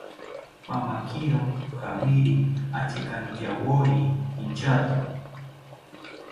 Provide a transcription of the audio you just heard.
Pamakiro jawiri achekantyawori inchato